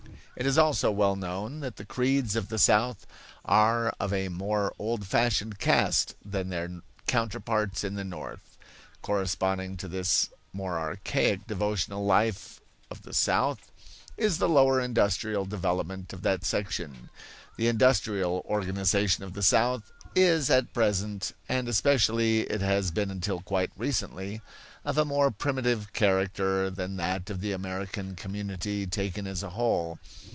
It is also well known that the creeds of the South are of a more old fashioned cast than their counterparts in the North. Corresponding to this more archaic devotional life of the South is the lower industrial development of that section. The industrial organization of the South is at present, and especially it has been until quite recently, of a more primitive character than that of the American community taken as a whole.